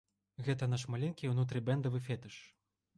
Гэта наш маленькі унутрыбэндавы фетыш.